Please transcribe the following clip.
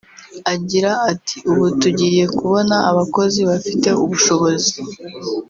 Agira ati “Ubu tugiye kubona abakozi bafite ubushobozi